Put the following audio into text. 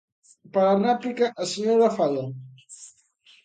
Para a réplica, a señora Faia.